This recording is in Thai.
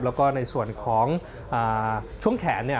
แล้วก็ในส่วนของช่วงแขนเนี่ย